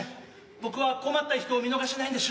僕は困った人見逃しぇないんでしゅ。